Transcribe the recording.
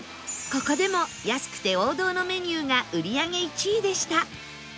ここでも安くて王道のメニューが売り上げ１位でした